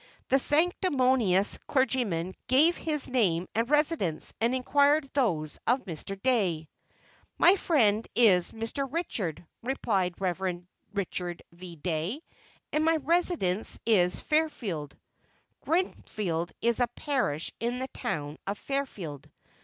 The sanctimonious clergyman gave his name and residence, and inquired those of Mr. Dey. "My name is Mr. Richard," replied Rev. Richard V. Dey, "and my residence is Fairfield." (Greenfield is a parish in the town of Fairfield.)